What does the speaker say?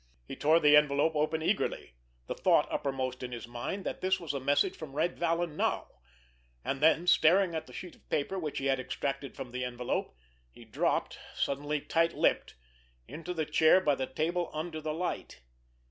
He tore the envelope open eagerly, the thought uppermost in his mind that this was a message from Red Vallon now; and then, staring at the sheet of paper which he had extracted from the envelope, he dropped, suddenly tight lipped, into the chair by the table under the light.